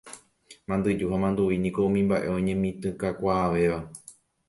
Mandyju ha manduvi niko umi mba'e oñemitỹkakuaavéva.